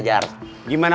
ya siap papa